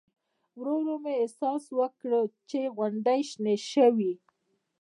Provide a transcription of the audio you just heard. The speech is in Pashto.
ورو ورو مې احساس وکړ چې غونډۍ شنې شوې.